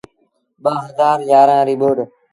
ٻآ هزآر يآرآن ريٚ ٻوڏ۔